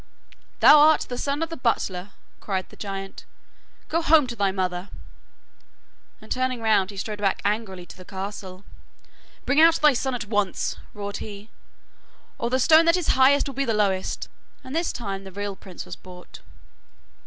'Thou art the son of the butler!' cried the giant. 'Go home to thy mother'; and turning round he strode back angrily to the castle. 'Bring out thy son at once,' roared he, 'or the stone that is highest will be lowest,' and this time the real prince was brought.